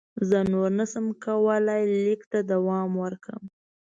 زه نور نه شم کولای لیک ته دوام ورکړم.